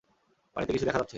পানিতে কিছু দেখা যাচ্ছে!